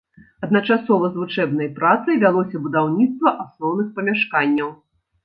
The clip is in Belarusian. Адначасова з вучэбнай працай вялося будаўніцтва асноўных памяшканняў.